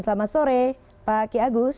selamat sore pak ki agus